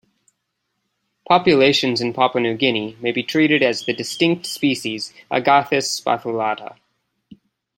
Populations in Papua New Guinea may be treated as the distinct species "Agathis spathulata".